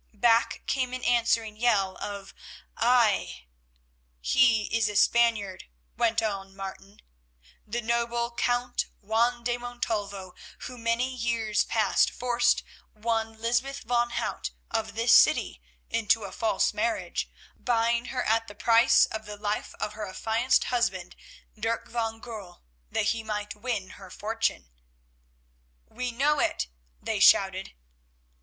Back came an answering yell of "Aye!" "He is a Spaniard," went on Martin, "the noble Count Juan de Montalvo, who many years past forced one Lysbeth van Hout of this city into a false marriage, buying her at the price of the life of her affianced husband, Dirk van Goorl, that he might win her fortune." "We know it," they shouted.